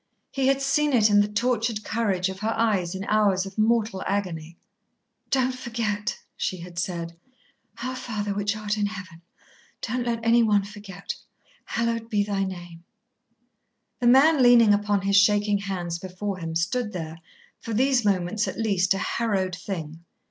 He had seen it in the tortured courage of her eyes in hours of mortal agony. "Don't forget," she had said. "Our Father which art in Heaven. Don't let anyone forget. Hallowed be thy name." The man, leaning upon his shaking hands before him, stood there, for these moments at least, a harrowed thing.